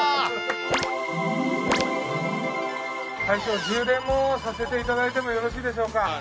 大将充電もさせていただいてもよろしいでしょうか。